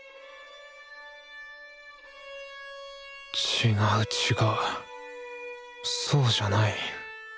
違う違うそうじゃない。